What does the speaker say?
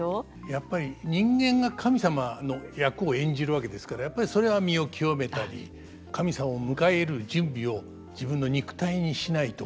やっぱり人間が神様の役を演じるわけですからやっぱりそれは身を清めたり神様を迎え入れる準備を自分の肉体にしないと。